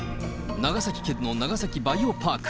長崎県の長崎バイオパーク。